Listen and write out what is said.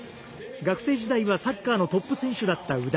学生時代はサッカーのトップ選手だった宇田。